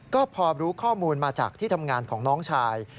ก็พอรู้ข้อมูลมาจากที่ทำงานของน้องชาย